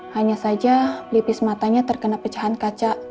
hanya saja pelipis matanya terkena pecahan kaca